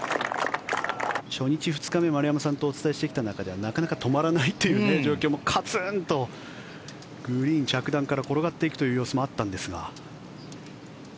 初日、２日目丸山さんとお伝えしてきた中でなかなか止まらないっていう状況もカツーンとグリーン着弾から転がっていくという様子もあったんですが。